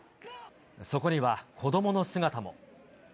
そこには子どもの姿も。